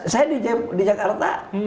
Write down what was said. saya di jakarta